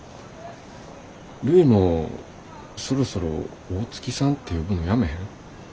るいもそろそろ大月さんって呼ぶのやめへん？